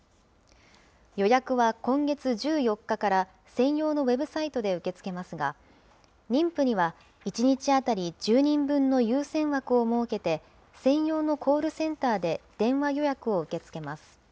予約は今月１４日から専用のウェブサイトで受け付けますが、妊婦には１日当たり１０人分の優先枠を設けて、専用のコールセンターで電話予約を受け付けます。